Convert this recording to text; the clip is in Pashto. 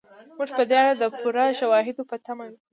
موږ په دې اړه د پوره شواهدو په تمه یو.